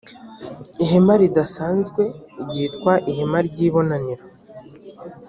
ihema ridasanzwe ryitwaga ihema ry ibonaniro